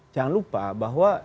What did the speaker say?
jangan lupa bahwa